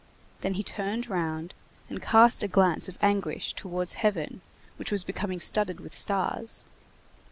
Then he turned round and cast a glance of anguish toward heaven which was becoming studded with stars.